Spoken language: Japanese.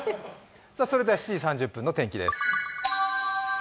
それでは７時３０分の天気です。